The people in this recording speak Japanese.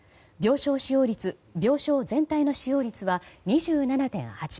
病床使用率病床全体の使用率は２７．８％。